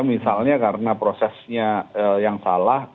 misalnya karena prosesnya yang salah